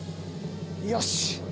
よし！